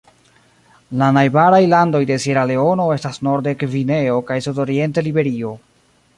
La najbaraj landoj de Sieraleono estas norde Gvineo kaj sudoriente Liberio.